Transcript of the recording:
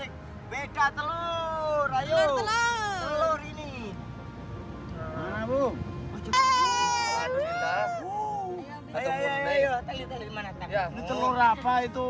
ini telur apa itu